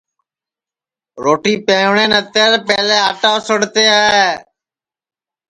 روٹی پَوٹؔے نتے پہلے آٹا اُسݪتے ہے